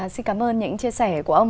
xin cảm ơn những chia sẻ của ông